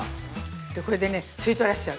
これでね、吸い取らしちゃう。